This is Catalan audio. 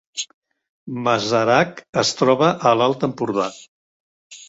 Masarac es troba a l’Alt Empordà